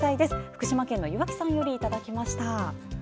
福島県の磐城さんよりいただきました。